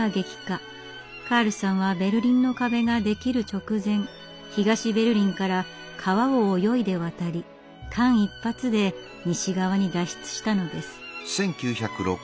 カールさんは「ベルリンの壁」ができる直前東ベルリンから川を泳いで渡り間一髪で西側に脱出したのです。